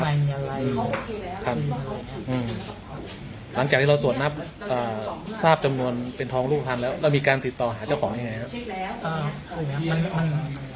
หลังจากที่เราตรวจนับทราบจำนวนเป็นทองรูปทันแล้วเรามีการติดต่อหาเจ้าของยังไงครับ